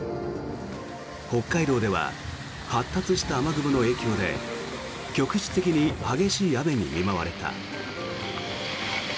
北海道では発達した雨雲の影響で局地的に激しい雨に見舞われた。